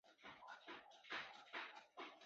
地方影院也下架了电影的海报。